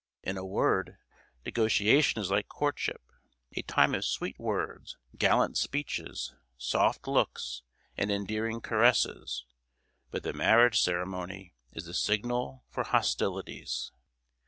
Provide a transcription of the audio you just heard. In a word, negotiation is like courtship, a time of sweet words, gallant speeches, soft looks, and endearing caresses but the marriage ceremony is the signal for hostilities.